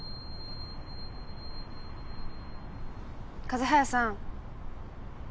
風早さん。